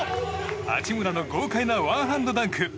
八村の豪快なワンハンドダンク。